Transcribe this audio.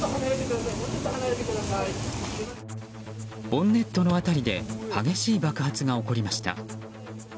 ボンネットの辺りで激しい爆発が起こりました。